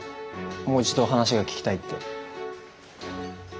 もう一度話が聞きたいって。